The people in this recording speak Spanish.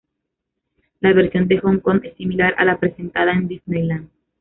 La versión de Hong Kong, es similar a la presentada en Disneyland.